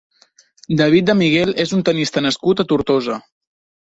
David de Miguel és un tennista nascut a Tortosa.